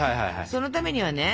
そのためにはね